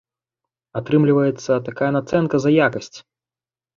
Атрымліваецца такая нацэнка за якасць!